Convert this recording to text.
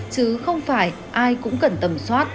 chứ không phải ai cũng cần tầm soát